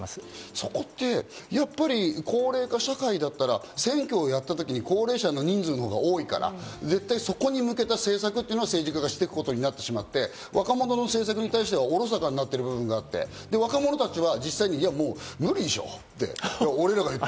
そこってやっぱり高齢化社会だったら選挙をやったときに高齢者の人数のほうが多いから絶対、そこに向けた政策を政治家がやっていくことになってしまって、若者の政策に対してはおろそかになってしまっている部分があって、若者たちは無理っしょ